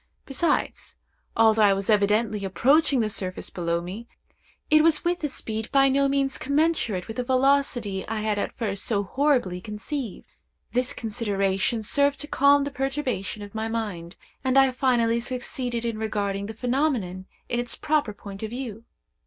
Besides, although I was evidently approaching the surface below me, it was with a speed by no means commensurate with the velocity I had at first so horribly conceived. This consideration served to calm the perturbation of my mind, and I finally succeeded in regarding the phenomenon in its proper point of view.